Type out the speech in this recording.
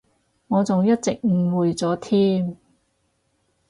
我仲一直誤會咗添